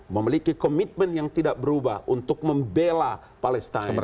memiliki komitmen yang tidak berubah untuk membela palestina